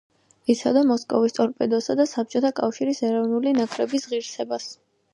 იცავდა მოსკოვის „ტორპედოსა“ და საბჭოთა კავშირის ეროვნული ნაკრების ღირსებას.